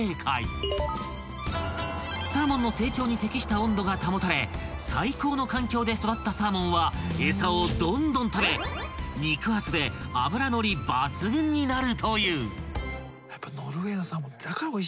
［サーモンの成長に適した温度が保たれ最高の環境で育ったサーモンは餌をどんどん食べ肉厚で脂ノリ抜群になるという］